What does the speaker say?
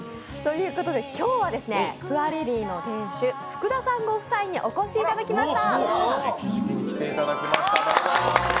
今日はプアリリイの店主福田さんご夫妻にお越しいただきました。